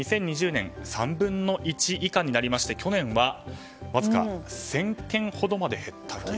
２０２１年３分の１以下になりまして去年は、わずか１０００件ほどまで減ったと。